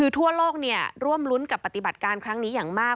ทั่วโลกร่วมรุ้นกับปฏิบัติการครั้งนี้อย่างมาก